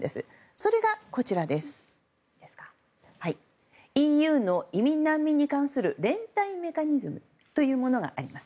それが、ＥＵの移民・難民に関する連帯メカニズムというものがあります。